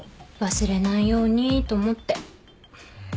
忘れないようにと思って。